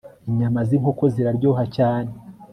Inyama zinkoko ziraryoha cyane